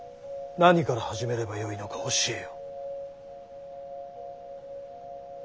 何から始めればよいのか教えよ。